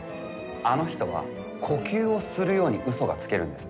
あの人は呼吸をするように嘘がつけるんです。